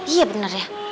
iya bener ya